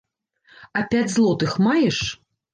А пяць злотых маеш?